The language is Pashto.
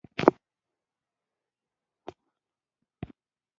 د تاریخ په دې پړاو کې کوچني بنسټي توپیرونه مهم رول لوبوي.